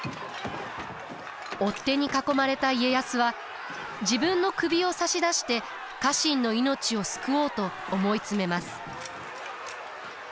追っ手に囲まれた家康は自分の首を差し出して家臣の命を救おうと思い詰めます。